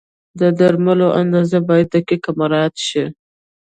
د درملو اندازه باید دقیق مراعت شي.